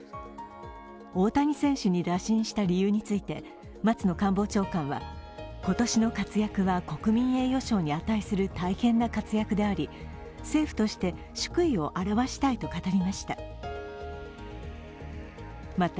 大谷選手に打診した理由について松野官房長官は今年の活躍は国民栄誉賞に値する大変な活躍であり、政府として祝意を表したいと語りました。